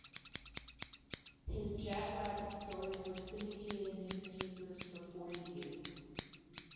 His "Jack Rabbit" stories were syndicated in newspapers for forty years.